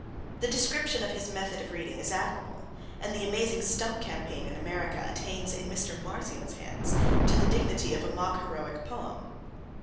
The description of his method of reading is admirable, and the amazing stump campaign in America attains, in Mr. Marzials' hands, to the dignity of a mock heroic poem.